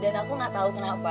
dan aku gak tau kenapa